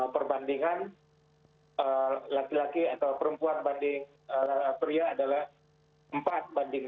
perbandingan laki laki atau perempuan banding pria adalah empat banding empat